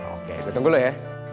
oke gue tunggu lo ya